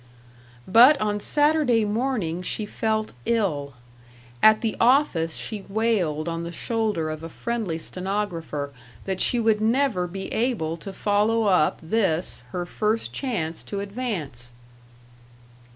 But on Saturday morning she felt ill. At the office she wailed on the shoulder of a friendly stenographer that she would never be able to follow up this, her first chance to advance.